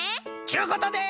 ちゅうことで。